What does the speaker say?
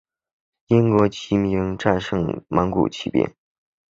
英国骑兵战胜蒙古骑兵。